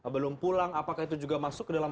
belum pulang apakah itu juga masuk ke dalam